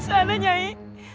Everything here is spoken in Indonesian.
di sana nyai